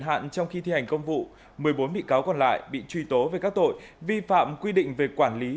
hạn trong khi thi hành công vụ một mươi bốn bị cáo còn lại bị truy tố về các tội vi phạm quy định về quản lý